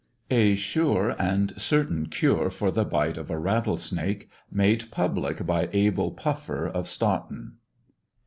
A sure and certain cure for the Bite of a Rattlesnake Made Publick by Abel Puffer of Stoughton.